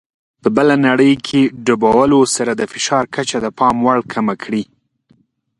په بله نړۍ کې ډوبولو سره د فشار کچه د پام وړ کمه کړي.